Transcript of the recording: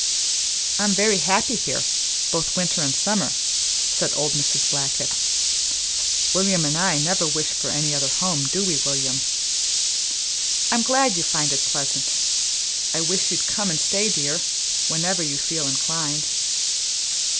"I'm very happy here, both winter an' summer," said old Mrs. Blackett. "William an' I never wish for any other home, do we, William? I'm glad you find it pleasant; I wish you'd come an' stay, dear, whenever you feel inclined.